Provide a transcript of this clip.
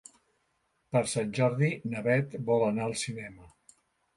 Per Sant Jordi na Bet vol anar al cinema.